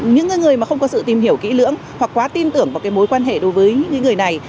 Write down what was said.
những người không có sự tìm hiểu kỹ lưỡng hoặc quá tin tưởng vào mối quan hệ đối với người này